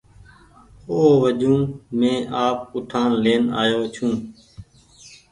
او وجون مينٚ آپ اُٺآن لين آئو ڇوٚنٚ